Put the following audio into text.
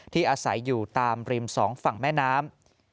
อาศัยอยู่ตามริมสองฝั่งแม่น้ำ